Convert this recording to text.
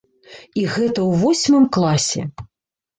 І гэта ў восьмым класе!